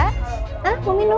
hah mau minum